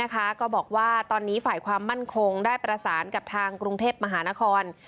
ก็บอกว่าตอนนี้ฝ่ายความมั่นคงได้ประสานกับทางกรุงเทพมหานคร